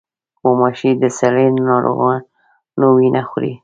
غوماشې د سږي له ناروغانو وینه خوري.